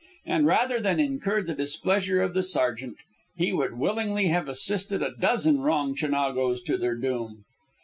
And, rather than incur the displeasure of the sergeant, he would willingly have assisted a dozen wrong Chinagos to their doom.